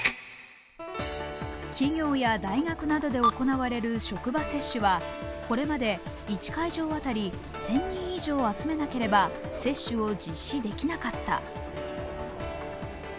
企業や大学などで行われる職場接種はこれまで１会場あたり１０００人以上、集めなければ接種を実施できなかった。